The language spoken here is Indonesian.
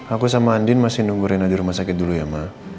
aku sama andi masih nunggu rina di rumah sakit dulu ya ma